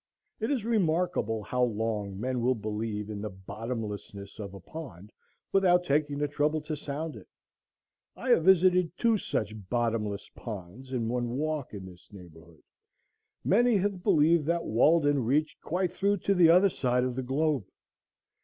It is remarkable how long men will believe in the bottomlessness of a pond without taking the trouble to sound it. I have visited two such Bottomless Ponds in one walk in this neighborhood. Many have believed that Walden reached quite through to the other side of the globe.